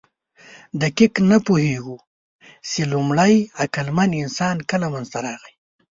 دقیق نه پوهېږو، چې لومړی عقلمن انسان کله منځ ته راغی.